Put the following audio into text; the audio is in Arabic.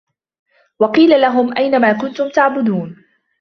وقيل لهم أين ما كنتم تعبدون